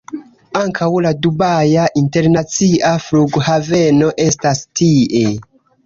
Ankaŭ la Dubaja Internacia Flughaveno estas tie.